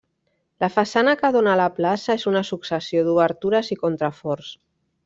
La façana que dóna a la plaça és una successió d'obertures i contraforts.